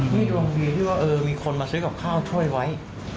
มีดวงดีที่มีคนมาซื้อกับข้าวถ้วยไว้